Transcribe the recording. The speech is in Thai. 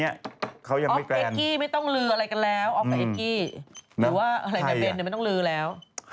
ออฟเขาดังแล้ว